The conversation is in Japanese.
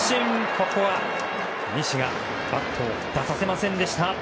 ここは西がバットを出させませんでした！